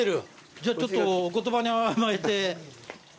じゃあちょっとお言葉に甘えて。